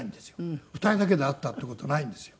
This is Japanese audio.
２人だけで会ったっていう事ないんですよ。